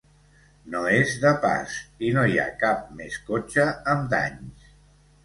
No és de pas i no hi ha cap més cotxe amb danys.